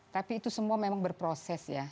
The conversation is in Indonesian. tapi itu semua memang berproses ya